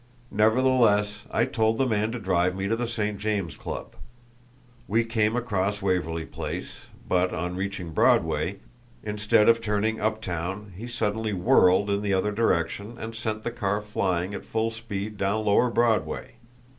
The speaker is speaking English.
"Nevertheless I told the man to drive me to the St. James Club. We came across Waverly Place, but on reaching Broadway, instead of turning uptown, he suddenly whirled in the other direction and sent the car flying at full speed down Lower Broadway.